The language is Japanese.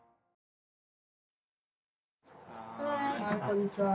こんにちは。